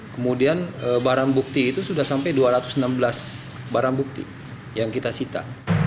kemudian barang bukti itu sudah sampai dua ratus enam belas barang bukti yang kita sita